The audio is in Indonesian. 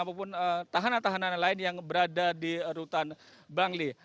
ataupun tahanan tahanan lain yang berada di rutan bangli